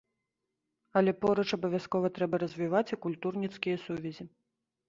Але поруч абавязкова трэба развіваць і культурніцкія сувязі.